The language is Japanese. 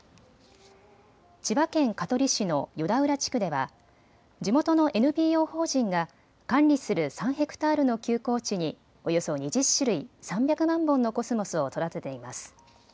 千葉県香取市の与田浦地区では地元のＮＰＯ法人が管理する３ヘクタールの休耕地におよそ２０種類、３００万本のコスモスを育てています。